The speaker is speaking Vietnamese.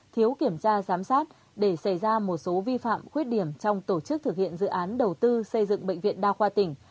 thiếu kiểm tra giám sát để xảy ra một số vi phạm khuyết điểm trong tổ chức thực hiện dự án đầu tư xây dựng bệnh viện đa khoa tỉnh